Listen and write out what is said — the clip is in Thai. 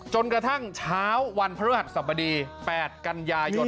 จนก็ทั้งเช้าวันพระเภทศรรพดี๘กันยายน